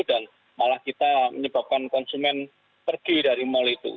dan malah kita menyebabkan konsumen pergi dari mal itu